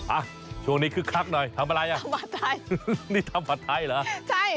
อ่ะช่วงนี้คึกคักหน่อยทำอะไรอ่ะทำผัดไทยนี่ทำผัดไทยเหรอใช่